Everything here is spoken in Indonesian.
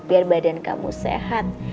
biar badan kamu sehat